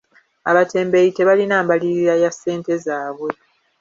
Abatembeeyi tebalina mbalirira ya ssente zaabwe.